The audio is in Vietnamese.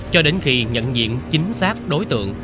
cho đến khi nhận diện chính xác đối tượng